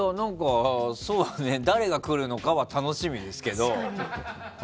そうね、誰が来るのかは楽しみですけど。